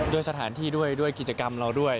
ด้วยสถานที่ด้วยด้วยกิจกรรมเราด้วย